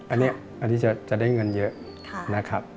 อันนี้จะได้เงินเยอะนะครับ